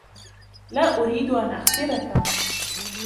لا أريد أن أخسركَ.